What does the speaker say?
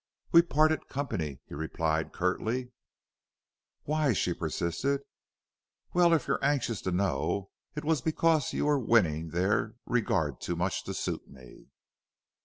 "We parted company," he replied, curtly. "Why?" she persisted. "Well, if you're anxious to know, it was because you were winning their regard too much to suit me."